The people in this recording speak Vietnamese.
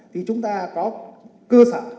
thì chúng ta có cơ sở